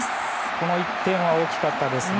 この１点は大きかったですね。